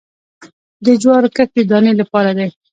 د جوارو کښت د دانې لپاره دی